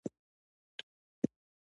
_مېلمه يې په ډېره غوښه مړ کړ.